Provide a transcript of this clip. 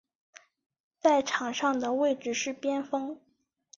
在场上的位置是边锋。